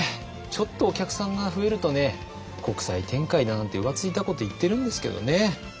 ちょっとお客さんが増えるとね国際展開だなんて浮ついたこと言ってるんですけどね。